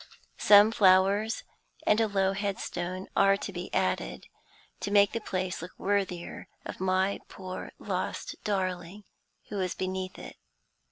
Some flowers, and a low headstone, are to be added, to make the place look worthier of my poor lost darling who is beneath it.